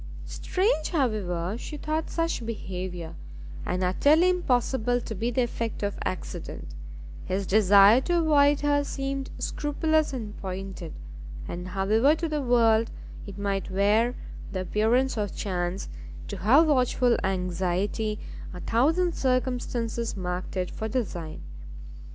Strange, however, she thought such behaviour, and utterly impossible to be the effect of accident; his desire to avoid her seemed scrupulous and pointed, and however to the world it might wear the appearance of chance, to her watchful anxiety a thousand circumstances marked it for design.